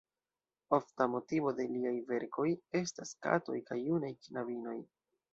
Ofta motivo de liaj verkoj estas katoj kaj junaj knabinoj.